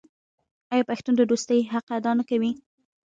آیا پښتون د دوستۍ حق ادا نه کوي؟